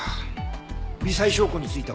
微細証拠については？